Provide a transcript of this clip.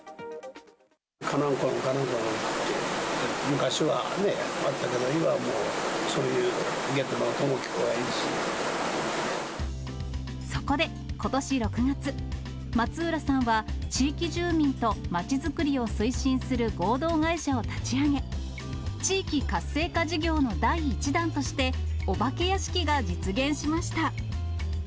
からんころん、からんころんと、昔はね、あったけど、今はもう、そういうげたのそこでことし６月、松浦さんは地域住民とまちづくりを推進する合同会社を立ち上げ、地域活性化事業の第１弾として、お化け屋敷が実現しました。